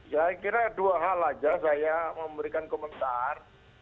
saya kira dua hal saja saya memberikan komentar